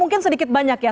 mungkin sedikit banyak ya